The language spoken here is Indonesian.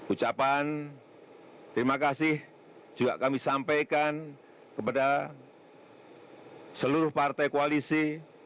ucapan terima kasih juga kami sampaikan kepada seluruh partai koalisi